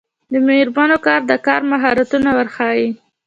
د میرمنو کار د کار مهارتونه ورښيي.